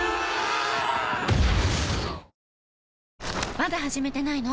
まだ始めてないの？